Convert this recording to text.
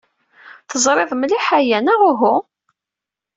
Teẓriḍ mliḥ aya, neɣ uhu?